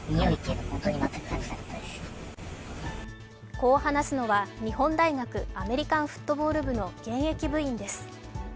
こう話すのは日本大学アメリカンフットボール部の現役部員です。